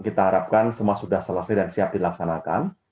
kita harapkan semua sudah selesai dan siap dilaksanakan